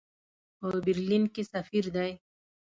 په برلین کې سفیر دی.